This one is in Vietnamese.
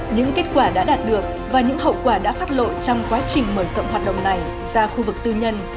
những kết quả đã đạt được và những hậu quả đã phát lộ trong quá trình mở rộng hoạt động này ra khu vực tư nhân